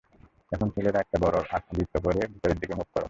এখন, ছেলেরা একটা বড় বৃত্ত করে, ভেতরের দিক মুখ করো।